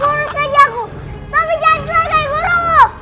guru saja aku tapi jangan terlalu kayak guru